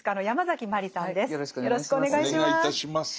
よろしくお願いします。